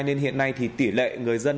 nên hiện nay thì tỷ lệ người dân